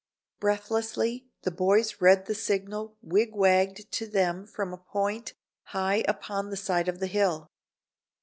Breathlessly the boys read the signal wig wagged to them from a point high up on the side of the hill.